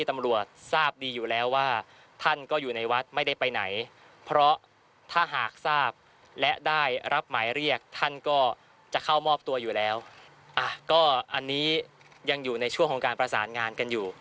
เมื่อช่วงเช้ามะวันที่ปาลม่าค่ะ